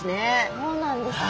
そうなんですね！